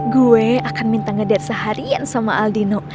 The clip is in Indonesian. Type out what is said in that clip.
gue akan minta ngedit seharian sama aldino